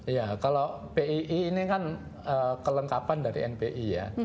iya kalau pii ini kan kelengkapan dari npi ya